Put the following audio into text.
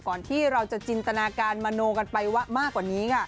ที่เราจะจินตนาการมโนกันไปว่ามากกว่านี้ค่ะ